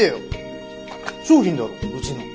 商品だろうちの。